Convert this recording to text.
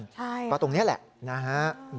ใช่ครับเพราะตรงนี้แหละนะฮะ